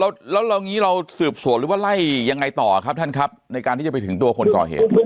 แล้วเรางี้เราสืบสวนหรือว่าไล่ยังไงต่อครับท่านครับในการที่จะไปถึงตัวคนก่อเหตุ